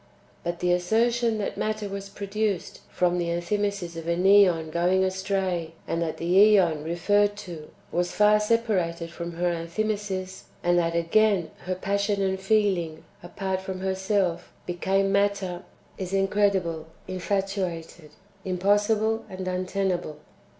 But the assertion that matter was produced from the Enthymesis of an ^on going astray, and that the ^Eon [referred to] was far separated from her Enthymesis, and that, again, her passion and feeling, apart from herself, became matter — is incredible, infatuated, impossible, and untenable.